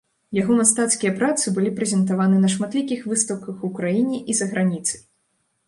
Яго мастацкія працы былі прэзентаваны на шматлікіх выстаўках у краіне і за граніцай.